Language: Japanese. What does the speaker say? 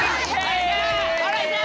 ほらいた！